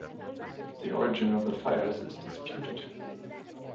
The origin of the fires is disputed.